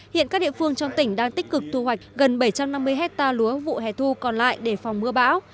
hiện các địa phương trong tỉnh đang tích cực thu hoạch gần bảy trăm năm mươi hectare lúa vụ hè thu còn lại để phòng mưa bão